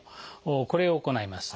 これを行います。